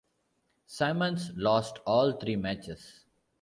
Simmons lost all three matches.